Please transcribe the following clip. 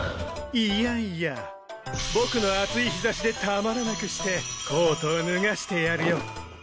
いやいや僕の熱い日差しでたまらなくしてコートを脱がしてやるよ。